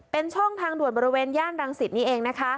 เป็นช่องทางด่วนบริเวณย่านรังสิตนี่เองนะคะ